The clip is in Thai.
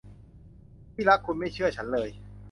ที่รัก คุณไม่เชื่อฉันเลย